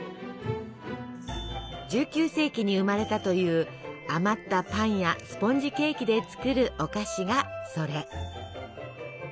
１９世紀に生まれたという余ったパンやスポンジケーキで作るお菓子がそれ。